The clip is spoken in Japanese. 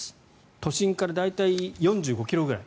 都心から大体４５ｋｍくらい。